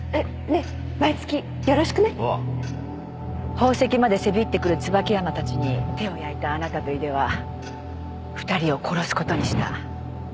宝石までせびってくる椿山たちに手を焼いたあなたと井出は２人を殺す事にした。